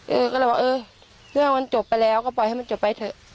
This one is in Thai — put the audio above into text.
เออก็เลยบอกเออเรื่องมันจบไปแล้วก็ปล่อยให้มันจบไปเถอะ